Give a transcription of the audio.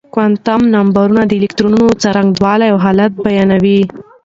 کوانتم نمبرونه د الکترون څرنګوالی او حالت بيانوي.